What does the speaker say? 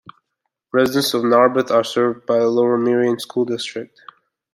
Residents of Narberth are served by the Lower Merion School District.